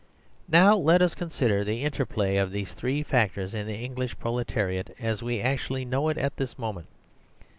Now let us consider the interplay of these three factors in the English proletariat as we actually know it at this moment.